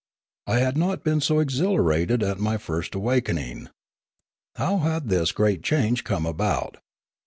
I had not been so exhilarated at my first awaking. How had this great change come about